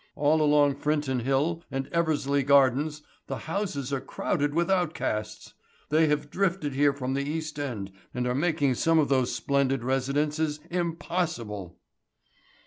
All along Frinton Hill and Eversley Gardens the houses are crowded with outcasts. They have drifted here from the East End and are making some of those splendid residences impossible."